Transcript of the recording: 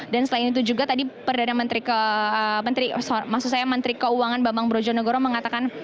dan selain itu juga tadi perdana menteri keuangan bambang brojonegoro mengatakan